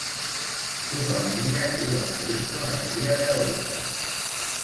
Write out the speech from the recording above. Su familia cría marisco en la Ría de Arousa.